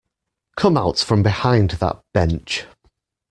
Come out from behind that bench.